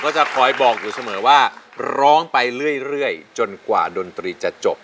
จะคอยบอกอยู่เสมอว่าร้องไปเรื่อยจนกว่าดนตรีจะจบ